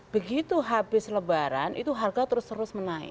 begitu habis lebaran itu harga terus terus menaik